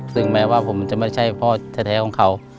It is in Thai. ซึ่งแม้ว่าผมจะไม่ใช่พ่อแท้ของเขา